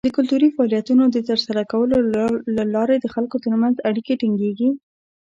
د کلتوري فعالیتونو د ترسره کولو له لارې د خلکو تر منځ اړیکې ټینګیږي.